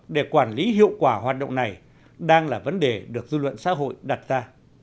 để quản lý hiệu quả hoạt động này đang là vấn đề được dư luận xã hội đặt ra